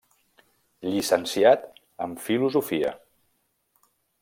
Llicenciat en filosofia.